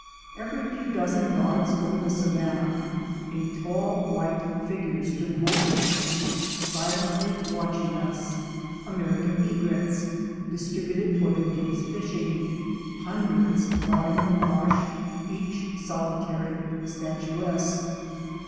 Every few dozen yards over the savanna, a tall white figure stood motionless, silently watching us —American Egrets " distributed for their day's fishing, hundreds dotting the marsh, each solitary, statuesque.